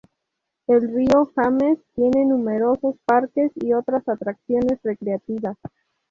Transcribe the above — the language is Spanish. El río James tiene numerosos parques y otras atracciones recreativas.